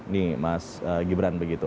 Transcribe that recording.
nih mas gibran begitu